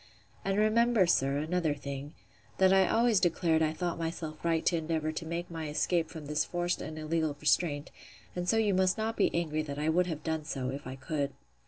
And remember, sir, another thing, that I always declared I thought myself right to endeavour to make my escape from this forced and illegal restraint; and so you must not be angry that I would have done so, if I could.